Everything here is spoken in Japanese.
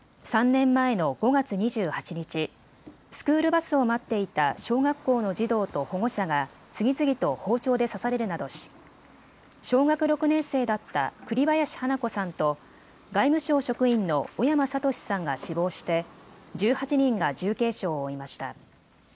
３年前の５月２８日、スクールバスを待っていた小学校の児童と保護者が次々と包丁で刺されるなどし小学６年生だった栗林華子さんと外務省職員の小山智史さんが死亡して１８人が重軽傷を負いました。